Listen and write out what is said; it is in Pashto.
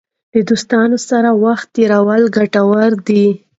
له دوستانو سره وخت تېرول ګټور دی.